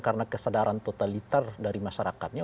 karena kesadaran totalitar dari masyarakatnya